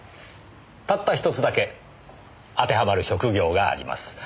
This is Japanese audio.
たった１つだけ当てはまる職業があります。